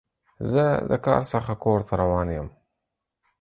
زه د کار څخه کور ته روان یم.